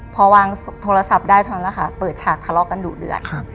พอวางโทรศัพท์ได้เท่านั้นแหละค่ะเปิดฉากทะเลาะกันดุเดือด